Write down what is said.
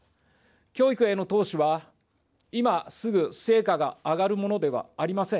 教育への投資は、今すぐ成果が上がるものではありません。